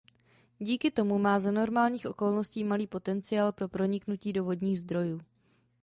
Díky tomu má za normálních okolností malý potenciál pro proniknutí do vodních zdrojů.